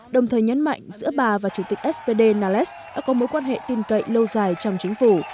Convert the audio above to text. đồng thời nhấn mạnh giữa bà và chủ tịch spd nales đã có mối quan hệ tin cậy lâu dài trong chính phủ